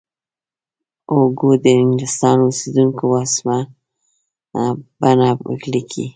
هوګو د انګلستان اوسیدونکی و سمه بڼه ولیکئ.